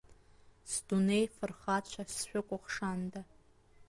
Сдунеи фырхацәа сшәыкәыхшанда…